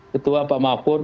ketua pak mahfud